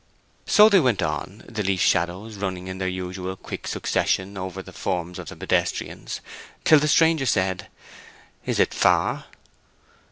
So they went on, the leaf shadows running in their usual quick succession over the forms of the pedestrians, till the stranger said, "Is it far?"